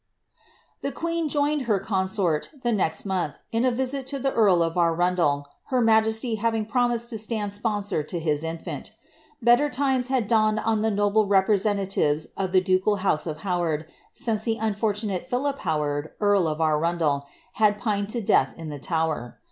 The queen joined her consort, the next month, in a visit to the earl of Arundel, her majesty having promised to stand sponsor to his infant Better times had dawned on the noble representatives of the ducal house of Howard since the unfortunate Philip Howard, earl of Arundel, had pined to death in the Tower.